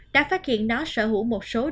đã phát hiện nó sở hữu một số đột biến